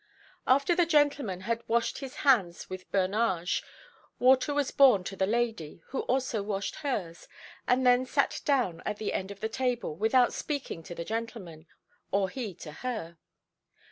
After the gentleman had washed his hands with Bernage, water was borne to the lady, who also washed hers and then sat down at the end of the table without speaking to the gentleman, or he to her.